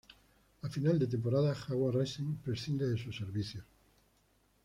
A final de temporada, Jaguar Racing prescinde de sus servicios.